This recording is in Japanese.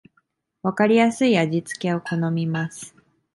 わかりやすい味付けを好みます